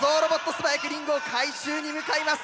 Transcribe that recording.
すばやくリングを回収に向かいます！